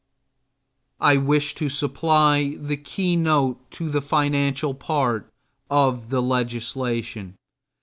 I wish to supply the keynote to the financial part of the legislation.